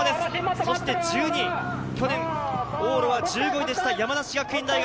そして１２位、去年往路は１５位でした、山梨学院大学。